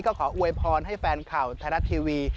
ก็ขออวยพรให้แฟนข่าวไทยรัฐทีวี